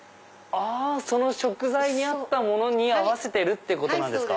その食材に合ったものに合わせてるってことなんですか。